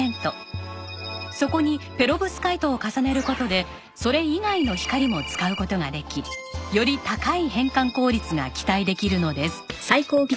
そこにペロブスカイトを重ねる事でそれ以外の光も使う事ができより高い変換効率が期待できるのです。